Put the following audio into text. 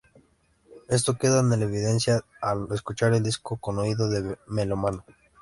Esto queda en evidencia al escuchar el disco con oído de melómano.